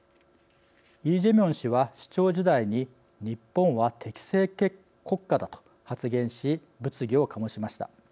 イ・ジェミョン氏は、市長時代に「日本は敵性国家だ」と発言し物議を醸しました。